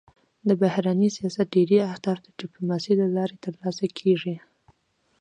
د بهرني سیاست ډېری اهداف د ډيپلوماسی له لارې تر لاسه کېږي.